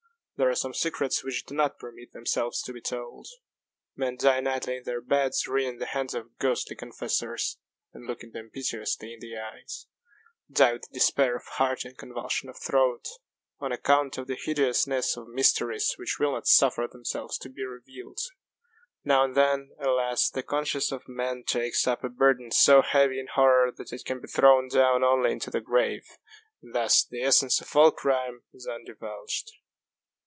There are some secrets which do not permit themselves to be told. Men die nightly in their beds, wringing the hands of ghostly confessors, and looking them piteously in the eyes die with despair of heart and convulsion of throat, on account of the hideousness of mysteries which will not suffer themselves to be revealed. Now and then, alas, the conscience of man takes up a burthen so heavy in horror that it can be thrown down only into the grave. And thus the essence of all crime is undivulged.